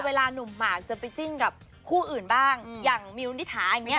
หนุ่มหมากจะไปจิ้นกับคู่อื่นบ้างอย่างมิวนิษฐาอย่างนี้